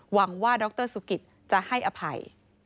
หวังว่าดรสุกิตจะให้อภัย